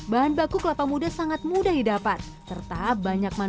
bahan baku kelapa muda ini juga bisa menciptakan menu kuliner yang berbeda di kota blitar